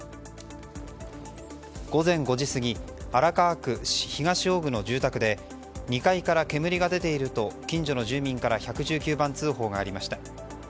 午前５時過ぎ荒川区東尾久の住宅で２階から煙が出ていると近所の住民から１１９番通報がありました。